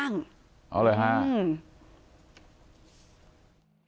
กับพนักงานในโรงพิมพ์หรือว่าหลายหลายคนน่ะก็คือไม่พอใจก็จะเรียกมาทำล้ายทำล้าย